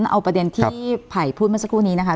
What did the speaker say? เอาประเด็นที่ไผ่พูดเมื่อสักครู่นี้นะคะ